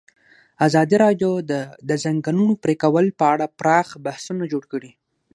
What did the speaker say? ازادي راډیو د د ځنګلونو پرېکول په اړه پراخ بحثونه جوړ کړي.